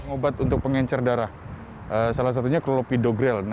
obat untuk pengencer darah salah satunya klopidogrel